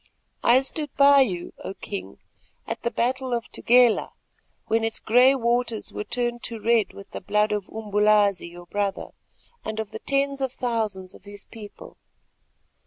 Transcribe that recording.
I stood by you, O King, at the battle of the Tugela, when its grey waters were turned to red with the blood of Umbulazi your brother, and of the tens of thousands of his people.